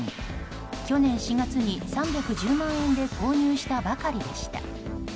去年４月に３１０万円で購入したばかりでした。